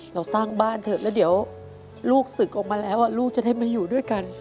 เราสร้างบ้านเถอะแล้วเดี๋ยวลูกศึกออกมาแล้วลูกจะได้มาอยู่ด้วยกัน